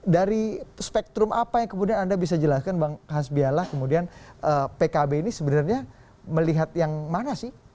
dari spektrum apa yang kemudian anda bisa jelaskan bang hasbialah kemudian pkb ini sebenarnya melihat yang mana sih